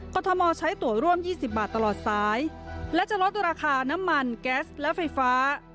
ทมใช้ตัวร่วม๒๐บาทตลอดสายและจะลดราคาน้ำมันแก๊สและไฟฟ้า